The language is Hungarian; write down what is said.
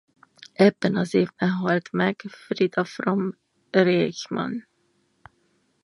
Ebben az évben halt meg Frieda Fromm-Reichmann.